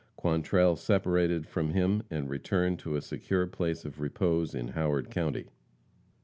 Quantrell separated from him, and returned to a secure place of repose in Howard county.